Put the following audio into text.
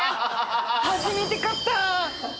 初めて勝った！